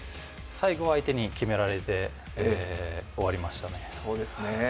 最後は相手に決められて終わりましたね。